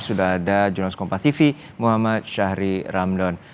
sudah ada jurnalist kompasivi muhammad syahri ramdon